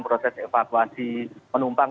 proses evakuasi penumpang